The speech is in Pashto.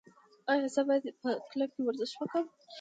ایا زه باید په کلب کې ورزش وکړم؟